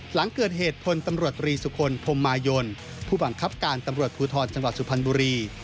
หลังเกิดเหตุพลตำรวจตรีสุคลพรมมายนผู้บังคับการตำรวจภูทรจังหวัดสุพรรณบุรี